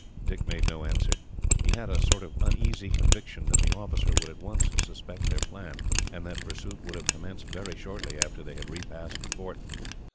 Dick made no answer. He had a sort of uneasy conviction that the officer would at once suspect their plan, and that pursuit would have commenced very shortly after they had re passed the fort.